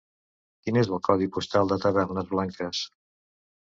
Quin és el codi postal de Tavernes Blanques?